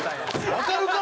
わかるか！